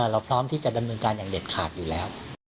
เราพร้อมที่จะดำเนินการอย่างเด็ดขาดอยู่แล้ว